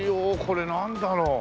これなんだろう？